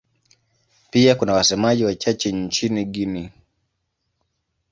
Pia kuna wasemaji wachache nchini Guinea.